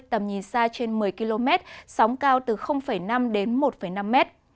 tầm nhìn xa trên một mươi km sóng cao từ năm đến một năm m